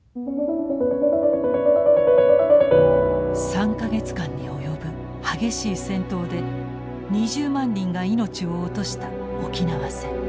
３か月間に及ぶ激しい戦闘で２０万人が命を落とした沖縄戦。